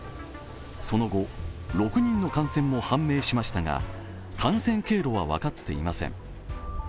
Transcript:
その後、６人の感染も判明しましたが感染経路は分かっていません。